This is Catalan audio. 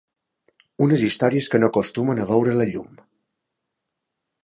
Unes històries que no acostumen a veure la llum.